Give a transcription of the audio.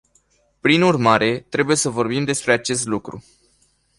Prin urmare, trebuie să vorbim despre acest lucru.